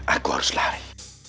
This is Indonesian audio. aku harus lari